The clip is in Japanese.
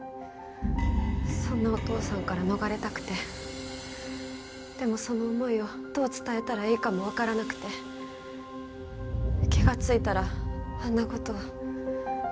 そんなお父さんから逃れたくてでもその思いをどう伝えたらいいかもわからなくて気がついたらあんな事を。